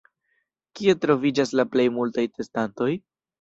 Kie troviĝas la plej multaj testantoj?